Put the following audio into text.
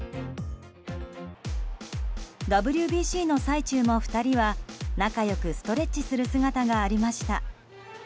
ＷＢＣの最中も２人は、仲良くストレッチする姿がありました。